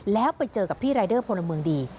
แล้วไปเจอกับพี่รายเดอร์พลเมืองดี